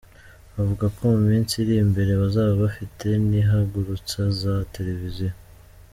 Bavuga ko mu minsi iri imbere bazaba bafite n’ihagurutsa za televiziyo.